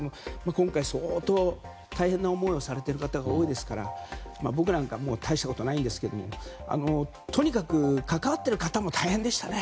今回、相当大変な思いをされている方が多いですから僕なんかは大したことないんですがとにかく、関わっている方も大変でしたね。